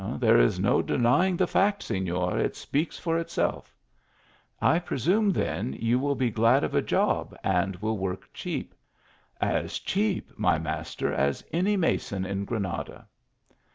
" There is no denying the fact, Seiior ; it speaks for itself." " I presume, then, you will be glad of a job, and will work cheap." " As cheap, my master, as any mason in Granada."